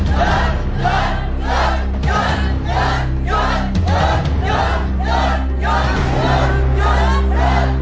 หยุดหยุดหยุด